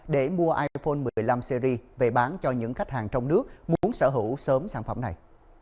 để mua iphone một mươi năm series về bán cho những khách hàng trong nước muốn sở hữu sớm sản phẩm này